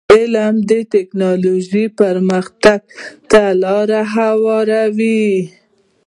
علم د ټکنالوژی پرمختګ ته لار هواروي.